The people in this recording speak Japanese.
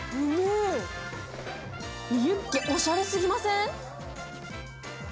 ユッケおしゃれすぎません？